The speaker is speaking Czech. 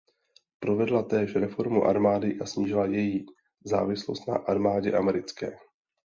Provedla též reformu armády a snížila její závislost na armádě americké.